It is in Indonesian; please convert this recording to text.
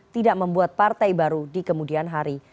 tidak membuat partai baru di kemudian hari